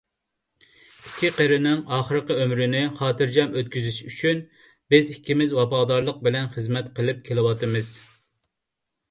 ئىككى قېرىنىڭ ئاخىرقى ئۆمرىنى خاتىرجەم ئۆتكۈزۈشى ئۈچۈن بىز ئىككىمىز ۋاپادارلىق بىلەن خىزمەت قىلىپ كېلىۋاتىمىز.